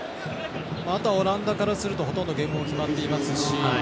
オランダからするとほとんどゲームも決まっていますし。